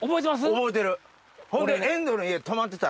覚えてる。